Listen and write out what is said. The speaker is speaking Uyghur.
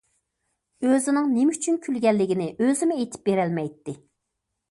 ئۆزىنىڭ نېمە ئۈچۈن كۈلگەنلىكىنى ئۆزىمۇ ئېيتىپ بېرەلمەيتتى.